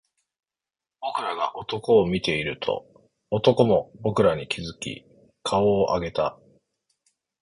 僕らが男を見ていると、男も僕らに気付き顔を上げた